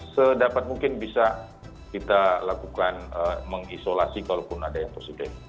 sedapat mungkin bisa kita lakukan mengisolasi kalaupun ada yang positif